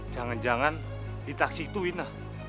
jangan jangan di taksi itu inah